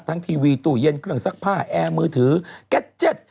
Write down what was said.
ทีวีตู้เย็นเครื่องซักผ้าแอร์มือถือแก๊เจ็ต